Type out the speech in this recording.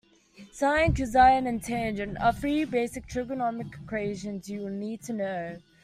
Sine, cosine and tangent are three basic trigonometric equations you'll need to know.